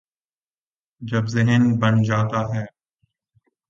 جب ذہن بن جاتا ہے۔